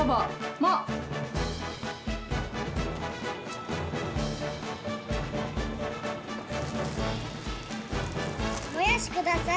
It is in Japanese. もやしください！